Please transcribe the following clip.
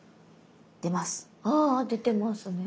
あ出てますね。